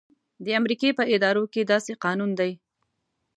د امریکې په ادارو کې داسې قانون دی.